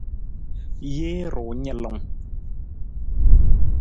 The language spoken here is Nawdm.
Jee ru nalung.